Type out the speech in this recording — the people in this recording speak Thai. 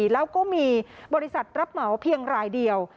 แล้วก็มีบริษัทรับเหมาเพียงรายเดียว